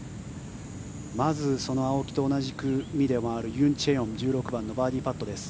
まず、その青木と同じ組で回るユン・チェヨン１６番のバーディーパットです。